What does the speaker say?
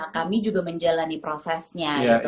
kami juga menjalani prosesnya